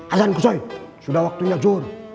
azan kusoy sudah waktunya zur